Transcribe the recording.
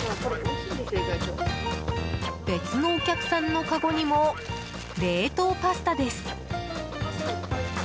別のお客さんのかごにも冷凍パスタです。